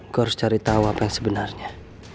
gue harus cari tahu apa yang sebenarnya